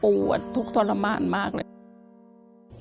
เก็บขยะรับจ้างนวดใครให้ไปทำอะไรเราก็ไปทำทั้งสิ้น